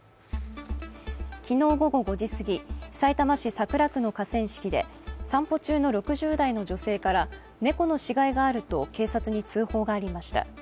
昨日午後５時過ぎ、さいたま市桜区の河川敷で散歩中の６０代の女性から猫の死骸があると警察に通報がありました。